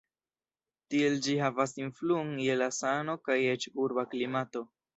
Tiel ĝi havas influon je la sano kaj eĉ urba klimato.